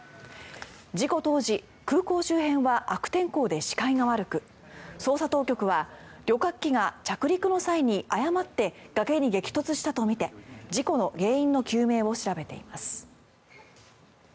事故当時、空港周辺は悪天候で視界が悪く捜査当局は旅客機が着陸の際に誤って崖に激突したとみて事故の原因の究明を調べています。